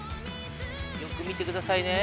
よく見てくださいね。